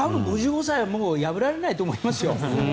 ５５歳の記録はもう破られないと思いますよ。